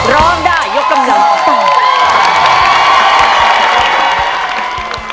ร้อง